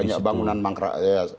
banyak bangunan mangkrak